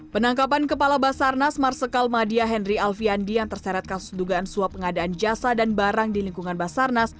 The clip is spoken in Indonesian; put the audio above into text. penangkapan kepala basarnas marsikal madia henry alfian di yang terseretkan sedugaan suap pengadaan jasa dan barang di lingkungan basarnas